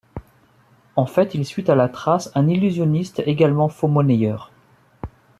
En fait, il suit à la trace un illusionniste également faux-monnayeur.